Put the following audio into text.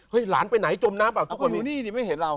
เฮ้ยหลานไปไหนจมน้ำป่ะทุกคนเอาคนอยู่นี่ดิไม่เห็นเรา